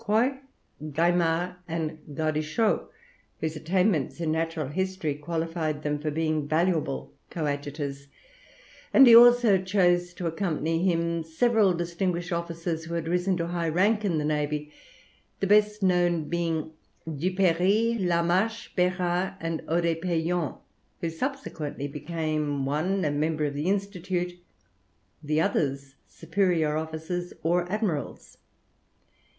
Quoy, Gaimard, and Gaudichaud, whose attainments in natural history qualified them for being valuable coadjutors; and he also chose to accompany him several distinguished officers who had risen to high rank in the navy, the best known being Duperrey, Lamarche, Berard, and Odet Pellion, who subsequently became, one a member of the Institute, the others superior officers or admirals.